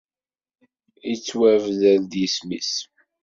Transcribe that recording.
Ittwabder-d yisem-is.